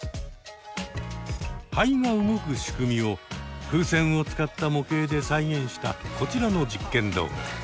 肺が動く仕組みを風船を使った模型で再現したこちらの実験動画。